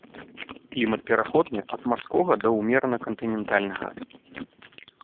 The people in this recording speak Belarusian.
Клімат пераходны ад марскога да ўмерана кантынентальнага.